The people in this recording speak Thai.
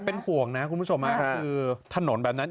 เป็นห่วงนะคุณผู้ชมคือถนนแบบนั้น